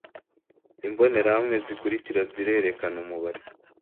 imbonerahamwe zikurikira zirerekana umubare